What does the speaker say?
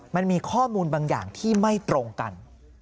มันมีข้อมูลบางอย่างที่ไม่ตรงกัน